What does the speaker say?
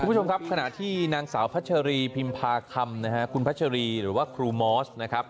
คุณผู้ชมครับขณะที่นางสาวพัชรีพิมพาคำนะฮะคุณพัชรีหรือว่าครูมอสนะครับ